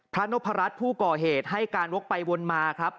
นพรัชผู้ก่อเหตุให้การวกไปวนมาครับ